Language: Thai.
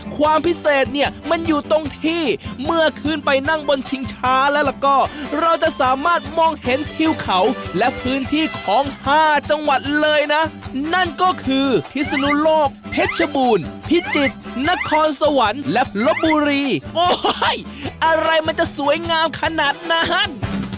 ความพิเศษเนี่ยมันอยู่ตรงที่เมื่อขึ้นไปนั่งบนชิงช้าแล้วก็เราจะสามารถมองเห็นทิวเขาและพื้นที่ของห้าจังหวัดเลยนะนั่นก็คือพิศนุโลกเพชรบูรณ์พิจิตรนครสวรรค์และลบบุรีโอ้โหอะไรมันจะสวยงามขนาดนั้น